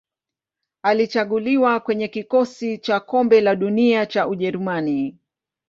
Alichaguliwa kwenye kikosi cha Kombe la Dunia cha Ujerumani.